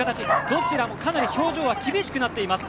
どちらも、かなり表情は厳しくなっています。